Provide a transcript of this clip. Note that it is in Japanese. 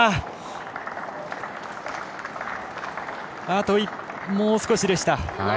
あともう少しでした。